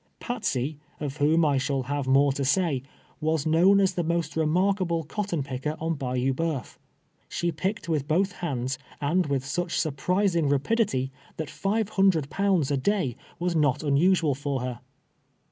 Patsey, of whom I shall have more to say, was known as the most renuirkalde cot ton picker on Bayou Boeuf. She picked M'ith both hands and with such surprising rapidity, that five liundred pounds a day was not unusual fir her.